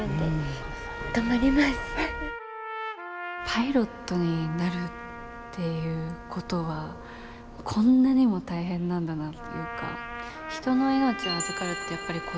パイロットになるっていうことはこんなにも大変なんだなっていうか人の命を預かるってやっぱりこういうことなんだなって。